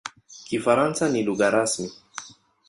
Kifaransa ni lugha rasmi.